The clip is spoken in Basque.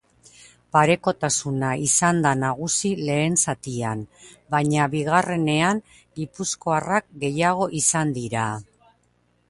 Parekotasuna izan da nagusi lehen zatian, baina bigarrenean gipuzkoarrak gehiago izan dira.